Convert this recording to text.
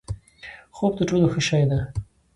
خوب تر ټولو ښه شی دی؛